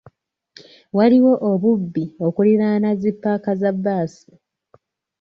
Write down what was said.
Waliwo obubbi okuliraana zi ppaaka za bbaasi.